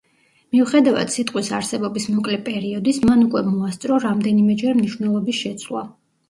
მიუხედავად სიტყვის არსებობის მოკლე პერიოდის, მან უკვე მოასწრო რამდენიმეჯერ მნიშვნელობის შეცვლა.